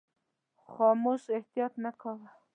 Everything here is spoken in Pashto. خاموش احتیاط نه کاوه.